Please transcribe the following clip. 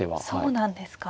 そうなんですか。